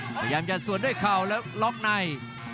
พยายามจะสวนด้วยเข่าแล้วล็อกใน